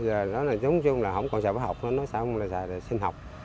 bây giờ nói chung là nó không còn sạch phá học nó sạch sinh học